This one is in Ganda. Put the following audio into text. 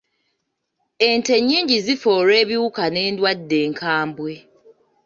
Ente nnyingi zifa olw'ebiwuka n'enddwadde enkambwe.